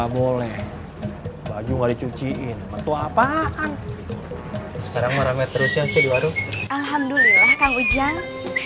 boleh baju dicuciin betul apa sekarang orangnya terusnya cedewa ruh alhamdulillah kang ujang